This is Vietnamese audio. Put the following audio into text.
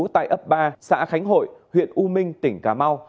tại ấp ba xã khánh hội huyện u minh tỉnh cà mau